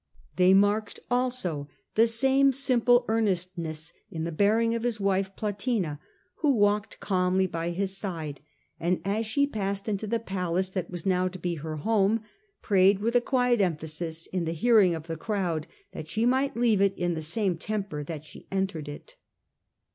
They marked also the same simple earnestness in the bearing of his wife Plotina, who walked calmly by his side, and as she passed into the palace that was now to be her The simple home, prayed with a quiet emphasis, in the hearing of the crowd, that she might leave it Plotina. in the same temper that she entered it.